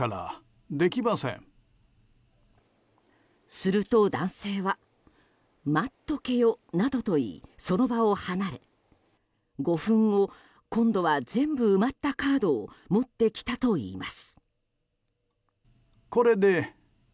すると男性は待っとけよなどと言いその場を離れ、５分後今度は全部埋まったカードを持ってきたといいます。